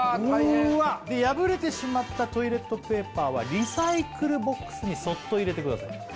大変で破れてしまったトイレットペーパーはリサイクルボックスにそっと入れてください